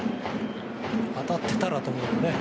当たってたらと思うとね。